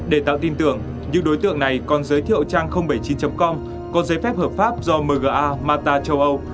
để tạo tin tưởng những đối tượng này còn giới thiệu trang bảy mươi chín com có giấy phép hợp pháp do mga mata châu âu